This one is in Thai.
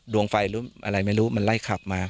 ดวงไฟหรืออะไรไม่รู้มันไล่ขับมา